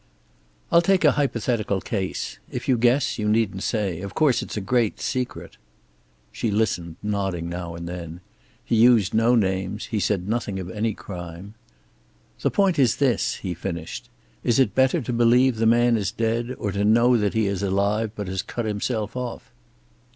"I'll take a hypothetical case. If you guess, you needn't say. Of course it's a great secret." She listened, nodding now and then. He used no names, and he said nothing of any crime. "The point is this," he finished. "Is it better to believe the man is dead, or to know that he is alive, but has cut himself off?"